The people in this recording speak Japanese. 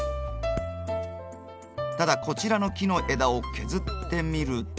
ただこちらの木の枝を削ってみると。